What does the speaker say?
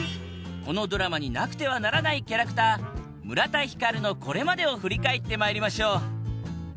このドラマになくてはならないキャラクター村田光のこれまでを振り返って参りましょう